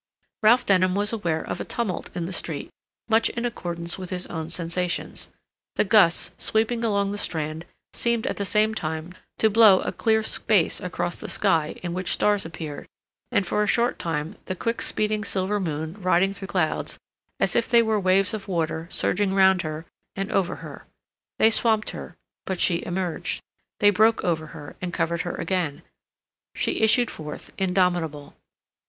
Ralph Denham was aware of a tumult in the street much in accordance with his own sensations. The gusts, sweeping along the Strand, seemed at the same time to blow a clear space across the sky in which stars appeared, and for a short time the quick speeding silver moon riding through clouds, as if they were waves of water surging round her and over her. They swamped her, but she emerged; they broke over her and covered her again; she issued forth indomitable.